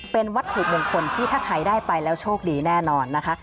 เป็นวัตถุมงคลที่ถ้าใครได้ไปแล้วโชคดีแน่นอนนะคะ